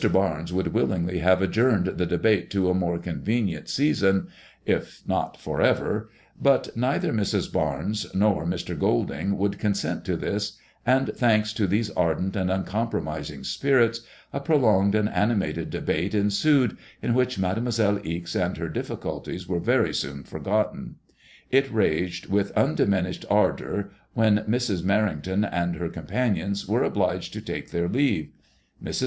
Barnes would willingly have adjourned the de k ICADEMOISELLB IXE. 57 bate to a more convenient season, if not for ever* ; but neither Mrs. Barnes nor Mn Golding would consent to this, and thanks to these ardent and uncompromising spirits, a prolonged and animated debate ensued, in which Made moiselle Ixe and her difficulties were very soon forgotten. It raged with undiminished ardour when Mrs. Merrington and her companions were obliged to take their leave. Mrs.